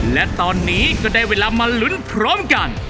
และตอนนี้ก็ได้เวลามาลุ้นพร้อมกัน